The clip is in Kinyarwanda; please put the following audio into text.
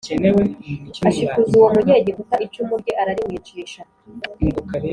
ashikuza uwo munyegiputa icumu rye ararimwicisha